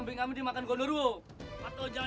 istrimu kan baru melahirkan